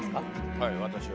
はい私は。